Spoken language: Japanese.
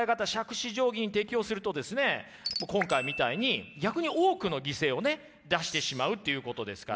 杓子定規に適応すると今回みたいに逆に多くの犠牲を出してしまうということですから。